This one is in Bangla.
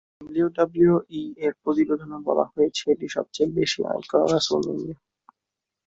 ডাব্লিউডাব্লিউই এর প্রতিবেদনে বলা হয়েছে এটি সবচেয়ে বেশি আয় করা রেসলম্যানিয়া।